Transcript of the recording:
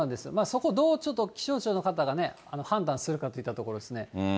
そこ、どうちょっと、気象庁の方が判断するかといったところですね。